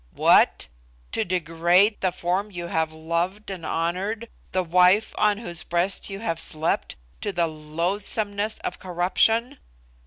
"What! To degrade the form you have loved and honoured, the wife on whose breast you have slept, to the loathsomeness of corruption?"